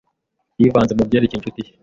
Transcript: Yivanze mubyerekeye inshuti ye.